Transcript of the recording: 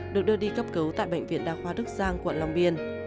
được đưa đi cấp cứu tại bệnh viện đa khoa đức giang quận long biên